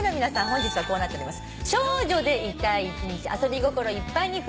本日はこうなっております。